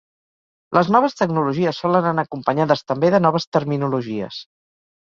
Les noves tecnologies solen anar acompanyades també de noves terminologies.